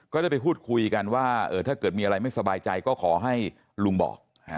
ได้ไปพูดคุยกันว่าถ้าเกิดมีอะไรไม่สบายใจก็ขอให้ลุงบอก